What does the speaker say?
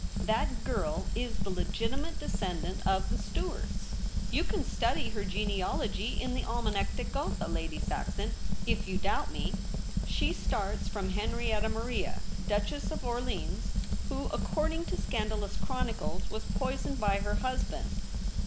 That o^irl is the leeltimate descendant of the Stuarts. You can study her genealogy in the " Almanach de Gotha," Lady Saxon, if you doubt me. She starts from Henrietta Maria, Duchess of Orleans, who, according to scandalous chronicles, was poisoned by her husband.